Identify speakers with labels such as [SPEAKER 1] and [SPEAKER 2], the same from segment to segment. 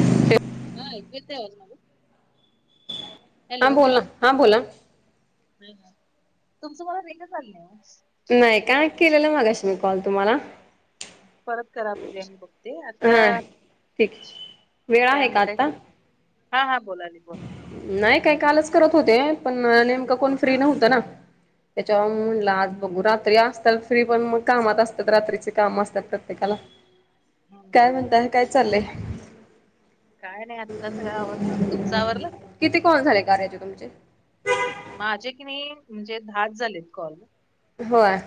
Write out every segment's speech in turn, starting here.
[SPEAKER 1] हो
[SPEAKER 2] हा ऐकू येतो का आवाज माझा?
[SPEAKER 1] हां
[SPEAKER 2] हॅलो
[SPEAKER 1] बोला हा बोला
[SPEAKER 2] तुमचं मला रीगच आली नाही ओ
[SPEAKER 1] नाही का केलेलं मागाशी मी कॉल तुम्हाला
[SPEAKER 2] परत करा बघुया कि मी बघते आता
[SPEAKER 1] हा ठीक वेळ
[SPEAKER 2] काय
[SPEAKER 1] आहे का
[SPEAKER 2] म्हणताय
[SPEAKER 1] आता?
[SPEAKER 2] कुठ हा हा बोला दि बोला
[SPEAKER 1] नाही काही कालच करत होते पण नेमकं कोण फ्री नव्हतं ना त्याच्यावर म्हणलं आज बघू रात्री असतात फ्री पण मग कामात असतात रात्रीचे काम असतात प्रत्येकाला
[SPEAKER 2] ह
[SPEAKER 1] काय म्हणता काय चाललंय?
[SPEAKER 2] काय नाही आत्ता सगळं आवरलं तुमचं आवरलं?
[SPEAKER 1] किती कॉल झाले कार्याचे तुमचे?
[SPEAKER 2] माझे की नाही म्हणजे दहाच झालेत कॉल
[SPEAKER 1] होय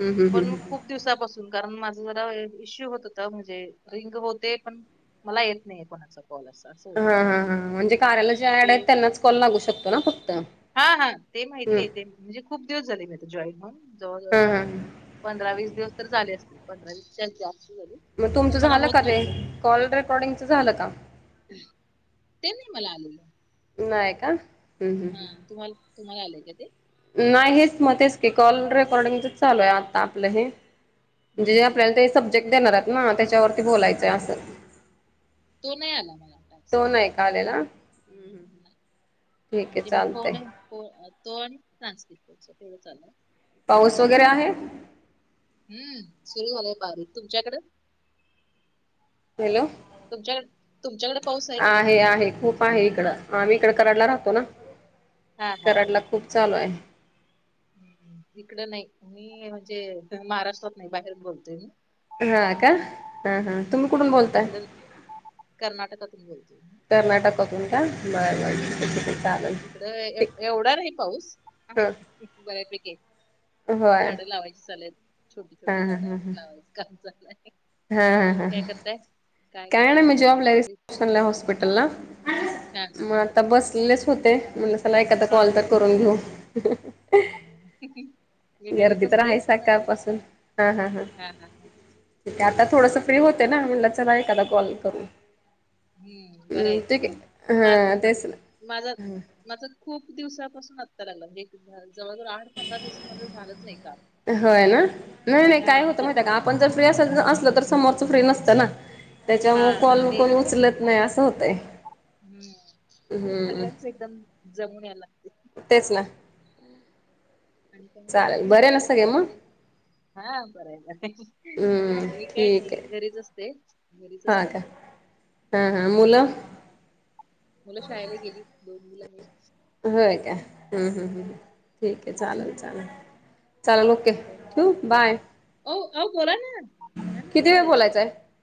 [SPEAKER 1] हम्म हम्म
[SPEAKER 2] पण
[SPEAKER 1] हम्म
[SPEAKER 2] खूप दिवसापासून कारण माझा जरा इश्यू होत होता म्हणजे रिंग होते पण मला येत नाही कोणाचं बला [unintelligible]
[SPEAKER 1] हा हा हां म्हणजे कार्याला जे ऍड आहेत त्यांनाच कॉल लागू शकतो ना फक्त
[SPEAKER 2] हा हा ते माहितीय आहे ते म्हणजे खूप दिवस झाले मी जॉईन होऊन जवळजवळ
[SPEAKER 1] हा हा.
[SPEAKER 2] पंधरा वीस दिवस तर झाले असतील पंधरा वीसच्या जास्त झाले.
[SPEAKER 1] मग
[SPEAKER 2] पण
[SPEAKER 1] तुमचं
[SPEAKER 2] मला
[SPEAKER 1] झालं का
[SPEAKER 2] होत
[SPEAKER 1] ते
[SPEAKER 2] नव्हतं
[SPEAKER 1] कॉल रेकॉर्डिंगचं झालं का?
[SPEAKER 2] ते नाही मला आलेलं
[SPEAKER 1] नाहीय का? हम्म
[SPEAKER 2] हा
[SPEAKER 1] हम्म
[SPEAKER 2] तुम्हा तुम्हाला आलंय का ते?
[SPEAKER 1] नाही हेच मध्येच तेच की कॉल रेकॉर्डिंगच चालू आहे आता आपलं हे.
[SPEAKER 2] हम्म
[SPEAKER 1] म्हणजे
[SPEAKER 2] हम्म, हम्म.
[SPEAKER 1] आपल्याला ते सब्जेक्ट देणार आहेत ना त्याच्यावरती बोलायचंय असं.
[SPEAKER 2] तो नाही आला मला टॅक्स.
[SPEAKER 1] तो नाही का आलेला ठीक आहे चाल.
[SPEAKER 2] कोण तो [unintelligible] तेवढ चाला.
[SPEAKER 1] पाऊस वगैरे आहे.
[SPEAKER 2] हम्म सुरू झालाय बारीक तुमच्याकड?
[SPEAKER 1] हॅलो!
[SPEAKER 2] तुमच्याकड तुमच्याकडे पाऊस आहे कि नाही म्हंटलं.
[SPEAKER 1] आहे खूप आहे इकडं आम्ही इकडं कराडला राहतो ना
[SPEAKER 2] हां.
[SPEAKER 1] कराडला खूप चालू आहे.
[SPEAKER 2] हम हम इकडं नाही मी म्हणजे महाराष्ट्रात नाही बाहेर बोलतोय मी.
[SPEAKER 1] हा का हा हा तुम्ही कुठून
[SPEAKER 2] इकड
[SPEAKER 1] बोलताय.
[SPEAKER 2] इकड कर्नाटकातून बोलतो.
[SPEAKER 1] कर्नाटक मधून का बरं. बरं ठीक आहे ठीक आहे चालेल
[SPEAKER 2] हम्म इकड
[SPEAKER 1] ठीक
[SPEAKER 2] एवढा आहे पाऊस आहे.
[SPEAKER 1] हां
[SPEAKER 2] बऱ्या पैकी आहे
[SPEAKER 1] होय
[SPEAKER 2] झाडं लावायची चालेल. छोटी
[SPEAKER 1] हा
[SPEAKER 2] छोटी
[SPEAKER 1] हा
[SPEAKER 2] झाडा
[SPEAKER 1] हा हा
[SPEAKER 2] लावायचं काम चाललंय.
[SPEAKER 1] हा हा हा काही नाही
[SPEAKER 2] करताय?
[SPEAKER 1] मी जॉबला हायस.
[SPEAKER 2] घरी
[SPEAKER 1] [unintelligible] हॉस्पिटल ला
[SPEAKER 2] हा हा
[SPEAKER 1] मग
[SPEAKER 2] हा
[SPEAKER 1] आता बसलेच होते. म्हणल चला एखादा कॉल तर करून घेऊ.
[SPEAKER 2] हम हम.
[SPEAKER 1] गर्दी तर आहे सकाळपासून हा हा हा. ठी आहे आता थोडस फ्री होते ना म्हणलं चला एखादा कॉल करून.
[SPEAKER 2] हम्म बरं आहे
[SPEAKER 1] हम् ठीक
[SPEAKER 2] ते
[SPEAKER 1] आहे हा तेचना.
[SPEAKER 2] माझा माझ खूप दिवसापासून आत्ता लागला एक जवळजवळ आठ पंधरा दिवसामध्ये झालंच नाही काम
[SPEAKER 1] होय ना नाही नाही काय होतं
[SPEAKER 2] अ
[SPEAKER 1] माहिती आहे का आपण जर फ्री अस -असल तर समोरच फ्री नसतं ना
[SPEAKER 2] हा
[SPEAKER 1] त्याच्यामुळे कॉल
[SPEAKER 2] ते
[SPEAKER 1] कोन उचल नाही असं होत.
[SPEAKER 2] हम्म, ते सगळ्यांच एकदम जमून यायला लागते.
[SPEAKER 1] तेच ना.
[SPEAKER 2] आणि काय म्हणता
[SPEAKER 1] चालेल बरे ना
[SPEAKER 2] काय
[SPEAKER 1] सगळे मग
[SPEAKER 2] चाललंय? हा बरय बरहाय
[SPEAKER 1] हम्म
[SPEAKER 2] मी काय
[SPEAKER 1] ठीक
[SPEAKER 2] नाही
[SPEAKER 1] आहे
[SPEAKER 2] घरीच असते घरीच
[SPEAKER 1] हा
[SPEAKER 2] असते
[SPEAKER 1] का
[SPEAKER 2] मी.
[SPEAKER 1] हा हा
[SPEAKER 2] हम्म.
[SPEAKER 1] मुलं?
[SPEAKER 2] मुलं शाळेला गेली दोन मुलं आहे.
[SPEAKER 1] हो का? हम्म हम्म हम्. ठीक आहे चालेल
[SPEAKER 2] बाकी
[SPEAKER 1] चालेल
[SPEAKER 2] काय
[SPEAKER 1] चालेल ओके
[SPEAKER 2] आणि काय म्हणता
[SPEAKER 1] हो बाय.
[SPEAKER 2] ओ आव बोला ना दहा मिनिट
[SPEAKER 1] किती वेळ
[SPEAKER 2] बोलायचं.
[SPEAKER 1] आहे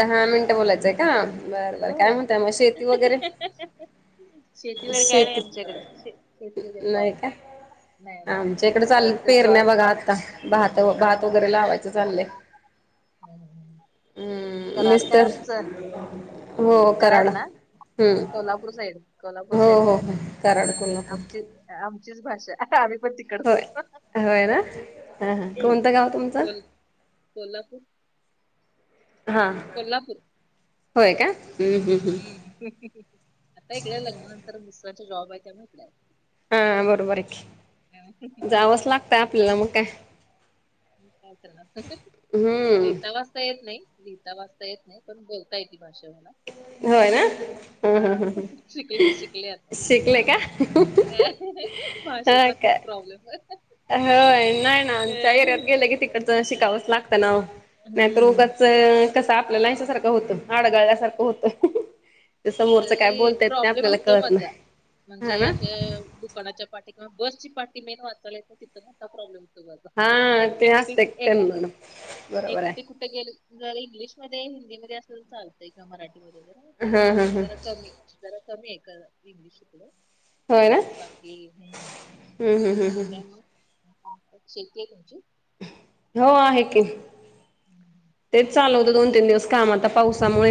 [SPEAKER 1] दहा मिनटं बोलायचंय का बरबर काय
[SPEAKER 2] हो
[SPEAKER 1] म्हणतय मग शेती वगैरे?
[SPEAKER 2] शेती वैर काय नाही आमच्या इकड शेती वगैरे काय नाही. नाही नाही
[SPEAKER 1] आमच्या
[SPEAKER 2] इथे
[SPEAKER 1] इकडे
[SPEAKER 2] अहो,
[SPEAKER 1] चाल
[SPEAKER 2] इथं जॉब
[SPEAKER 1] पेरण्या बघा आता भात भात वगैरे लावायचं चाललंय.
[SPEAKER 2] हम हम
[SPEAKER 1] हम्म
[SPEAKER 2] कराड काय
[SPEAKER 1] मिस्टर
[SPEAKER 2] तुमचं? कराड ना
[SPEAKER 1] हम्म
[SPEAKER 2] कोल्हापूर साईड कोल्हापूर
[SPEAKER 1] हो
[SPEAKER 2] साईड
[SPEAKER 1] हो हो कराड कोल्हापूर
[SPEAKER 2] आमची आमचीच भाषा आम्ही पण
[SPEAKER 1] होय
[SPEAKER 2] तिकडचोच.
[SPEAKER 1] होय ना हं हं कोणतं गाव तुमचं?
[SPEAKER 2] कोल कोल्हापूर.
[SPEAKER 1] हा!
[SPEAKER 2] कोल्हापूर.
[SPEAKER 1] होय का. हम्म हम्म
[SPEAKER 2] हूं आता इकडे लग्ना नंतर मिस्टरांचा जॉब आहे त्यामुळ इकडे आहे.
[SPEAKER 1] हा बरोबर आहे की, जावंच लागतंय आपल्याला मग काय.
[SPEAKER 2] काय करणार,
[SPEAKER 1] हम्म
[SPEAKER 2] लिहीता वाचता येत नाही. लिहिता वाचता येत नाही, पण बोलता येती भाषा मला.
[SPEAKER 1] होय ना ह
[SPEAKER 2] हा
[SPEAKER 1] ह ह
[SPEAKER 2] शिकले, शिकले आता इकडे
[SPEAKER 1] शिकले का
[SPEAKER 2] येऊन ऍ.
[SPEAKER 1] ह
[SPEAKER 2] भाषेचा खूप
[SPEAKER 1] काय
[SPEAKER 2] प्रॉब्लेम आहे.
[SPEAKER 1] होय नाही ना त्यां एरियात गेलं की तिकडचं शिकावंच लागतं ना ओ नाहीतर
[SPEAKER 2] हम्म.
[SPEAKER 1] उगाच. कसं आपल्याला याच्यासारखं होतं, आडगळल्यासारखं होतं. ते समोरचं काय
[SPEAKER 2] तरी
[SPEAKER 1] बोलतायत ते
[SPEAKER 2] प्रॉब्लेम
[SPEAKER 1] आपल्याला
[SPEAKER 2] होतो
[SPEAKER 1] कळत
[SPEAKER 2] माझा,
[SPEAKER 1] नाही हा
[SPEAKER 2] म्हणजे
[SPEAKER 1] ना
[SPEAKER 2] अशे बु कोणाच्या पाटी क बसची पाटी मेन वाचयला येत नाही तिथं मोठा प्रॉब्लेम.
[SPEAKER 1] हा ते
[SPEAKER 2] एकटी,
[SPEAKER 1] असते
[SPEAKER 2] एकटी,
[SPEAKER 1] कन्नड बरोबर
[SPEAKER 2] एकटी कु
[SPEAKER 1] आहे
[SPEAKER 2] ट गेल ज इंग्लिशमध्ये हिंदीमध्ये असं चालतय का मराठीमध्ये जरा ते.
[SPEAKER 1] हा हा हा
[SPEAKER 2] जरा कमी जरा कमी आहे का इंग्लिश शिकल बाकी हूं.
[SPEAKER 1] हूं हूं हूं हूं!
[SPEAKER 2] शेती आहे तुमची?
[SPEAKER 1] हो आहे की. तेच चाल
[SPEAKER 2] काम
[SPEAKER 1] होतं,
[SPEAKER 2] चालू
[SPEAKER 1] दोन तीन दिवस
[SPEAKER 2] शेताची
[SPEAKER 1] काम आता पावसामुळे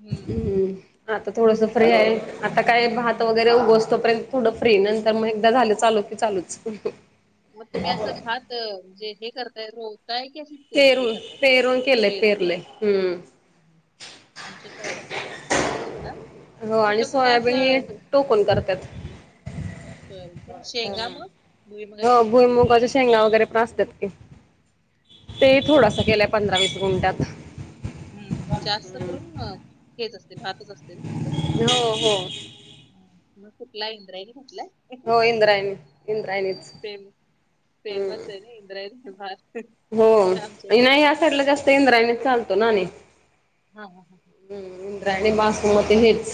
[SPEAKER 2] हम्म
[SPEAKER 1] आता थोडंस फ्रे आहे आता काय भात वगैरे
[SPEAKER 2] हम्म
[SPEAKER 1] उगवतसतोपर्यंत. पूडं फ्री नंतर म एकदा झालं चालू की चालूच.
[SPEAKER 2] म तुम्ही असं भात म्हणजे हे करताय रोवताय की असी
[SPEAKER 1] पेरून, पेरून केल पेरले हूं.
[SPEAKER 2] आमच्या साईडला पण तसच पेरून करता.
[SPEAKER 1] ग आणि सोयाबीन हे टोकून करत्यांत.
[SPEAKER 2] सोयाबीन काय. शेंगा मग
[SPEAKER 1] ह
[SPEAKER 2] भुईमुगाच्या शेंगा
[SPEAKER 1] भूईमुंगाच्या शेंगा वगैरे पण असत्यांत. ते थोडासा केलाय, पंधरा वीस गुंठात.
[SPEAKER 2] हूं जास्त करून न हेच असते, भातच असते ना तिकड.
[SPEAKER 1] हो हो
[SPEAKER 2] म कुठला इंद्राईनी म्हटलाय.
[SPEAKER 1] हो इंद्रायणी इंद्रायणीच
[SPEAKER 2] फेम,
[SPEAKER 1] हम्म
[SPEAKER 2] फेमस आहे ना इंद्रायनी भात.
[SPEAKER 1] हो
[SPEAKER 2] आमच्या इकडे.
[SPEAKER 1] नाही या साईडला जास्त इंद्रायणी चालतो ना आणि.
[SPEAKER 2] हा हा हा.
[SPEAKER 1] हूं इंद्रायणी बासमती हेच,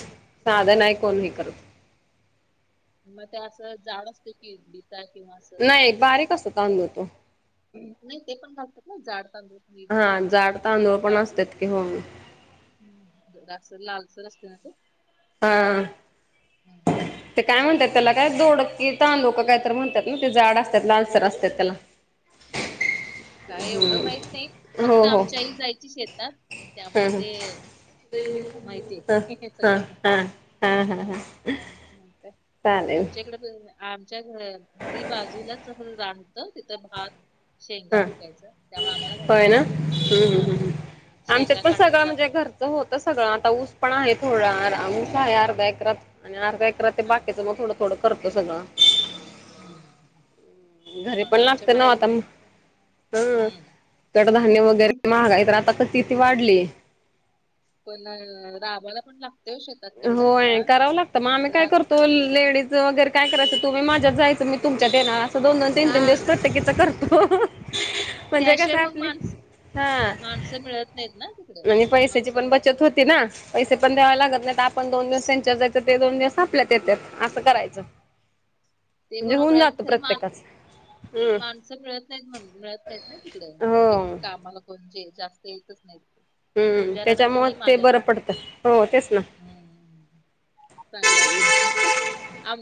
[SPEAKER 1] साध नाही कोन्ही करत.
[SPEAKER 2] म ते असं जाड असत [unintelligible] [unintelligible]
[SPEAKER 1] नाही बारीक असतो तांदूळ तो.
[SPEAKER 2] नाही ते पण घलतात ना जाड तांदूळ [unintelligible] नी ते
[SPEAKER 1] हा जाड तांदूळ पण
[SPEAKER 2] काळ.
[SPEAKER 1] असतात की हो
[SPEAKER 2] जास्त लालसर असते ना ते.
[SPEAKER 1] हा!
[SPEAKER 2] [inaudible]
[SPEAKER 1] ते काय म्हणतात त्याला काय दोडकी तांदूळ का काय तर म्हणत्यात ना ते जाड असत्यात लालसर असत्यात त्याला.
[SPEAKER 2] काय एवढं माहित नाही, फक्त आमची आई जायची शेतात. आणि
[SPEAKER 1] हा
[SPEAKER 2] त्यामुळे
[SPEAKER 1] ह
[SPEAKER 2] ते माहितीय
[SPEAKER 1] ह हा हा हा हा हा.
[SPEAKER 2] म्हणत आमच्याकडे आमच्या घ घरी बाजूलाच रान त तिथं भात, शेंगा
[SPEAKER 1] हं
[SPEAKER 2] पिकायच त्यामुळे आम्हाला
[SPEAKER 1] होय
[SPEAKER 2] माहितीये.
[SPEAKER 1] ना हम्म आमच्यात पण सगळं म्हणजे घर होत सगळं आता ऊस पण आहे थोडं ऊस आहे अर्धा एकरात आणि अर्धा एक तर ते
[SPEAKER 2] हा
[SPEAKER 1] बाकीचं मग थोडं थोडं करतो सगळं.
[SPEAKER 2] हम्म.
[SPEAKER 1] घरी
[SPEAKER 2] मग
[SPEAKER 1] पण
[SPEAKER 2] आमच्या
[SPEAKER 1] लागत ना
[SPEAKER 2] माहेरी
[SPEAKER 1] आता.
[SPEAKER 2] पण
[SPEAKER 1] हं
[SPEAKER 2] हम्म
[SPEAKER 1] कडधान्य वगैरे महागाय तर आता क तिथती वाढली.
[SPEAKER 2] पण राबाला पण लाग
[SPEAKER 1] होय करावं लागतं म आम्ही काय
[SPEAKER 2] राब
[SPEAKER 1] करतो लेडीज वगैरे काय करायचं तुम्ही माझ्यात जायचं मी तुमच्या ते ना असं दोन दोन तीन
[SPEAKER 2] हा
[SPEAKER 1] तीन दिवस प्रत्येकीच करतो म्हणजे कस
[SPEAKER 2] त्याशिवाय
[SPEAKER 1] आहे
[SPEAKER 2] मग
[SPEAKER 1] आपली
[SPEAKER 2] माणस
[SPEAKER 1] हा
[SPEAKER 2] माणसं मिळत नाहीत ना तिकडं
[SPEAKER 1] आणि पैशची
[SPEAKER 2] माणसं
[SPEAKER 1] पण
[SPEAKER 2] मिळत नाही
[SPEAKER 1] बचत होती. ती ना पैसे पण द्यावे लागत नाहीत. आपण दोन दिवस सेचर जायचं ते दोन दिवस आपल्यात येत्यात असं करायचं.
[SPEAKER 2] ते
[SPEAKER 1] म्हणजे
[SPEAKER 2] बरोबर
[SPEAKER 1] होऊन
[SPEAKER 2] आहे
[SPEAKER 1] जातो
[SPEAKER 2] खर म
[SPEAKER 1] प्रत्येकाच हम्म
[SPEAKER 2] माणसं मिळत नाहीत म्हण मिळत नाहीत ना तिकड
[SPEAKER 1] हो
[SPEAKER 2] म्हणजे कामाला. कोणजे जास्त येतच नाही.
[SPEAKER 1] हम्म त्याच्यामुळे ते बरं पडतं हो तेच ना.
[SPEAKER 2] चांगलंय आम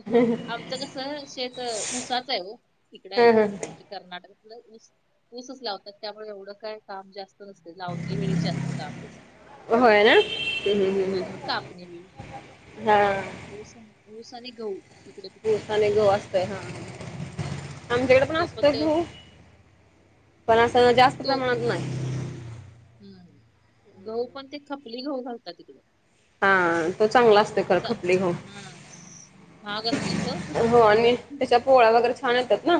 [SPEAKER 2] आमचं कस च शेत ऊसाच आहे हो तिकड आहे
[SPEAKER 1] हम् हम
[SPEAKER 2] म्हणजे कर्नाटक ऊस ऊसच लावतात त्यामुळे एवढं काय काम जास्त नसतय लावनी वेळी जास्त काम त्याच.
[SPEAKER 1] होय ना हम्म, हम्म,
[SPEAKER 2] हम्
[SPEAKER 1] हम्म,
[SPEAKER 2] आणि
[SPEAKER 1] हम्म.
[SPEAKER 2] मग कापणी वेळी.
[SPEAKER 1] हा
[SPEAKER 2] ऊस अन् ऊस आणि गहू इकडे पिकते
[SPEAKER 1] ऊस आणि गहू
[SPEAKER 2] कर्नाटकात
[SPEAKER 1] असतय
[SPEAKER 2] जास्त
[SPEAKER 1] हा
[SPEAKER 2] हम्म
[SPEAKER 1] आमच्याकडे पण
[SPEAKER 2] तो
[SPEAKER 1] असतंय
[SPEAKER 2] ते
[SPEAKER 1] गहू. पण असं जास्त
[SPEAKER 2] तो
[SPEAKER 1] प्रमाणात नाही.
[SPEAKER 2] हम्म गहू पण ते खपली गहू घालतात इकडं.
[SPEAKER 1] हा. त चांगला असते ख खपली घा
[SPEAKER 2] हम्म महाग असतोय
[SPEAKER 1] हो आणि त्याच्या पोळा वगैरे छान येतात ना.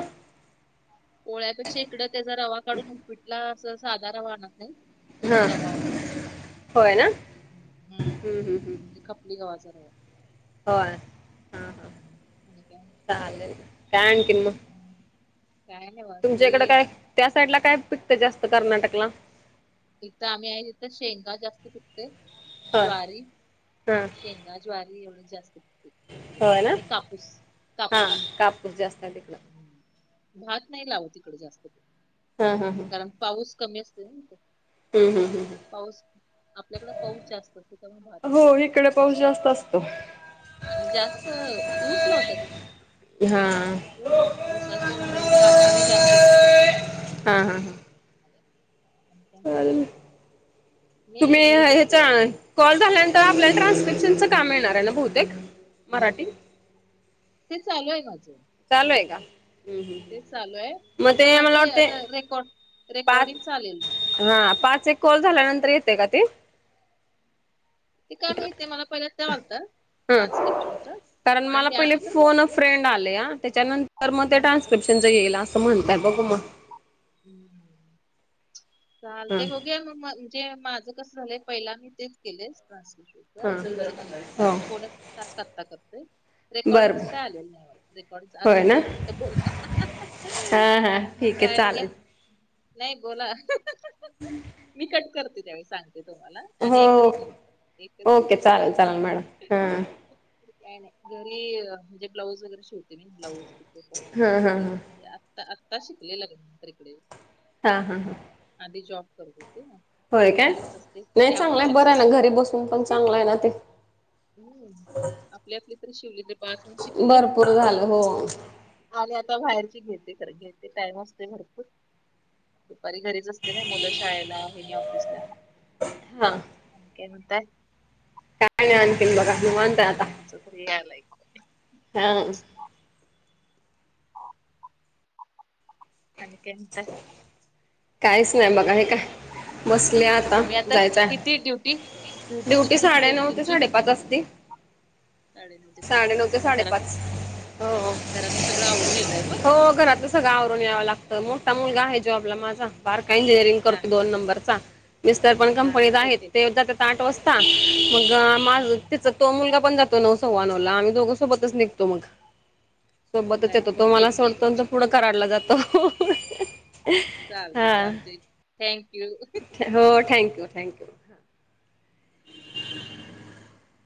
[SPEAKER 2] पोळ्यापेक्षा इकड त्याचा रवा काढून उपीटला असं साधा रवा आणत नाही. तोच
[SPEAKER 1] हा
[SPEAKER 2] रवा वापरत
[SPEAKER 1] होय ना
[SPEAKER 2] हम्म
[SPEAKER 1] हम्म, हम्म.
[SPEAKER 2] म्हणजे खप ली गावचा रवा.
[SPEAKER 1] होय हा हा
[SPEAKER 2] हम्म. आणि काय म्हणतात
[SPEAKER 1] चालेल काय आणखीन म.
[SPEAKER 2] हम्म. काय नाही बा.
[SPEAKER 1] तुमच्या इकडं काय त्या साईड ला काय पिकतं जास्त कर्नाटकला.
[SPEAKER 2] इथं आम्ही आहे तिथं शेंगा जास्त सुिकते
[SPEAKER 1] होय
[SPEAKER 2] ज्वारी
[SPEAKER 1] हा
[SPEAKER 2] शेंगा. ज्वारी एवढ जास्त. म्हणजे.
[SPEAKER 1] होय ना
[SPEAKER 2] आणि कापूस
[SPEAKER 1] हा
[SPEAKER 2] कापूस
[SPEAKER 1] कापूस जास्त आहे तिकड.
[SPEAKER 2] हम्म भात नाही लाव तिकडे जास्त ते.
[SPEAKER 1] हा हा हा.
[SPEAKER 2] कारण पाऊस कमी असते ना इथं.
[SPEAKER 1] हम् हम हम् हम.
[SPEAKER 2] पाऊस. आपल्याकडे पाऊस जास्त असतो तेव्हा भात
[SPEAKER 1] हम्म. हो
[SPEAKER 2] चालत
[SPEAKER 1] इकडे
[SPEAKER 2] पाऊस
[SPEAKER 1] पाऊस
[SPEAKER 2] कमी
[SPEAKER 1] जास्त असतो.
[SPEAKER 2] आणि जास्त ऊच लावता ते.
[SPEAKER 1] हा.
[SPEAKER 2] ऊस ऊसाचं म्हणजे कारखाने जास्त आहेत ना इकडं.
[SPEAKER 1] हा हा
[SPEAKER 2] आणि काय म्हणता.
[SPEAKER 1] चालेल
[SPEAKER 2] मी
[SPEAKER 1] तुम्ही
[SPEAKER 2] घरीच असते
[SPEAKER 1] ह्याच्या.
[SPEAKER 2] ओ
[SPEAKER 1] कॉल झाल्यानंतर आपल्याला ट्रान्सलेपशनचं काम मिळणार आहे ना बहुतेक मराठी.
[SPEAKER 2] ते चालूय माझं.
[SPEAKER 1] चालूय का?
[SPEAKER 2] ते चालू आहे फक्त मला ते आता रेकॉर्ड
[SPEAKER 1] पाच
[SPEAKER 2] रेकॉर्डिंग चालेल नाही.
[SPEAKER 1] हा पाच एक कॉल झाल्यानंतर येते का ते?
[SPEAKER 2] ते काय माहिते मला पहिल्या त्यालत
[SPEAKER 1] हा
[SPEAKER 2] ट्रान्स्क्रिप्शनच
[SPEAKER 1] कारण
[SPEAKER 2] आणि
[SPEAKER 1] मला पहिले
[SPEAKER 2] त्यानंतर मग!
[SPEAKER 1] फोन फ्रेंड आले आ त्याच्यानंतर मग ते
[SPEAKER 2] हा.
[SPEAKER 1] ट्रान्स्क्रिप्शनच येईल असं म्हणतय बघु मग.
[SPEAKER 2] हम्
[SPEAKER 1] ह
[SPEAKER 2] चालते बघु या मगणजे माझ. कसं झालंय पहिला मी तेच केले ट्रान्सस्क्रीप्शन.
[SPEAKER 1] हा
[SPEAKER 2] आणि तिचं पण
[SPEAKER 1] हो
[SPEAKER 2] पणे तास करता करते.
[SPEAKER 1] बरं
[SPEAKER 2] रेकॉर्डिंगचं काय आलेलं नाही म रेकॉर्डंग
[SPEAKER 1] होय
[SPEAKER 2] अजूनही
[SPEAKER 1] ना
[SPEAKER 2] दोन मिनिटं बोला.
[SPEAKER 1] हा हा ठीक आहे
[SPEAKER 2] काय आणि
[SPEAKER 1] चालेल
[SPEAKER 2] काय. नाही बोला मी कट करते त्यावेळी सांगते तुम्हाला! आणि
[SPEAKER 1] हो
[SPEAKER 2] एकच मिनिट एकच
[SPEAKER 1] ओके
[SPEAKER 2] मिनिट.
[SPEAKER 1] चालेल चालेल मॅडम हां
[SPEAKER 2] काय नाही घरी म्हणजे ब्लाऊज वगैरे शिव ति ब्लाऊ पिको
[SPEAKER 1] हां हां
[SPEAKER 2] फॉल घरी
[SPEAKER 1] हां
[SPEAKER 2] म्हणजे आता आत्ता शिकलेलं नंतर इकडे!
[SPEAKER 1] हा हा हा.
[SPEAKER 2] आधी जॉब करत होते ना.
[SPEAKER 1] होय
[SPEAKER 2] तर
[SPEAKER 1] काय
[SPEAKER 2] घरीच असते
[SPEAKER 1] नाही
[SPEAKER 2] त्यामुळ
[SPEAKER 1] चांगलंय
[SPEAKER 2] मग
[SPEAKER 1] बरं आहे
[SPEAKER 2] घरात.
[SPEAKER 1] ना घरी बसून पण चांगलं आहे ना ते
[SPEAKER 2] हम् आपली आपली तर शिवलीने बाचण शिकले.
[SPEAKER 1] भरपूर झालं हो
[SPEAKER 2] आणि आता बाहेरची घेते खर घेते टाईम असते भर दुपारी घरीच असते ना मुलं शाळेला हेनी ऑफिसला.
[SPEAKER 1] हा.
[SPEAKER 2] आणि काय म्हणताय?
[SPEAKER 1] काय नाही आणखील बघा निवांत आहे आता
[SPEAKER 2] कोणाचा तरी यायलाय
[SPEAKER 1] हा.
[SPEAKER 2] [inaudible] आणि काय म्हणताय.
[SPEAKER 1] काहीच नाही बघा हे काय बसले आता
[SPEAKER 2] तुम्ही
[SPEAKER 1] जायचं आहे.
[SPEAKER 2] किती ड्युटी किती
[SPEAKER 1] ड्युटी
[SPEAKER 2] ते किती
[SPEAKER 1] साडे नऊ
[SPEAKER 2] असते
[SPEAKER 1] ते
[SPEAKER 2] तुमची
[SPEAKER 1] साडेपाच असती.
[SPEAKER 2] साडेनऊ ते
[SPEAKER 1] साडे नऊ
[SPEAKER 2] साडेपाच
[SPEAKER 1] ते
[SPEAKER 2] मग
[SPEAKER 1] साडे पाच.
[SPEAKER 2] घरातलंच घरातलं सगळं आवरून येत आहे मग?
[SPEAKER 1] हो घरातलं सगळं आवरून यावं लागतं मोठा मुलगा आहे जॉबला माझा बारका इंजिनिअरिंग
[SPEAKER 2] हा
[SPEAKER 1] करतो दोन नंबरचा? विस्तर पण
[SPEAKER 2] हा
[SPEAKER 1] कंपनीत
[SPEAKER 2] मग
[SPEAKER 1] आहेत
[SPEAKER 2] मोठे
[SPEAKER 1] ते त्या आठव असता मग माझ ते
[SPEAKER 2] हम्म
[SPEAKER 1] तो मुलगा पण जातो न‌उ सव्वा न‌उला आम्ही दोघं सोबतच निघतो मग.
[SPEAKER 2] मग
[SPEAKER 1] सोबतच
[SPEAKER 2] आहेत
[SPEAKER 1] येतो तो
[SPEAKER 2] मोठी
[SPEAKER 1] मला
[SPEAKER 2] आहेत मुलं
[SPEAKER 1] सोडतोंत
[SPEAKER 2] तुमची
[SPEAKER 1] पुढं कराडला जातो.
[SPEAKER 2] चालते
[SPEAKER 1] हा
[SPEAKER 2] चालते थँक यू.
[SPEAKER 1] हो थँक्यू थँक्यू. [inaudible]